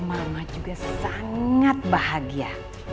mama juga sangat bahagia